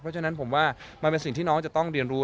เพราะฉะนั้นผมว่ามันเป็นสิ่งที่น้องจะต้องเรียนรู้